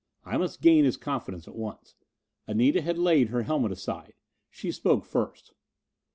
I must gain his confidence at once. Anita had laid her helmet aside. She spoke first.